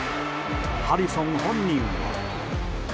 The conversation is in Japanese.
ハリソン本人は。